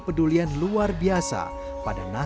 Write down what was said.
pemuda kelahiran sembilan belas seminggu